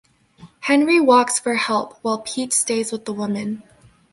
Henry walks for help while Pete stays with the woman.